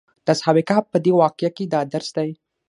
د اصحاب کهف په دې واقعه کې دا درس دی.